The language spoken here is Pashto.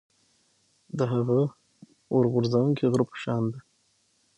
د هغه اور غورځوونکي غره په شان ده.